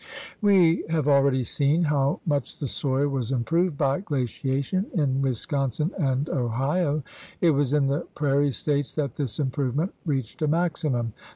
72 THE RED MAN'S CONTINENT We have already seen how much the soil was improved by glaciation in Wisconsin and Ohio. It was in the prairie States that this improvement reached a maximum.